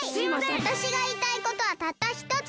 わたしがいいたいことはたったひとつ！